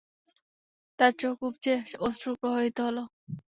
তার চোখ উপচে অশ্রু প্রবাহিত হল।